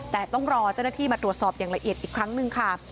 แต่ต้องรอเจ้าหน้าที่มาตรวจสอบอย่างละเอียดอีกครั้งหนึ่งค่ะ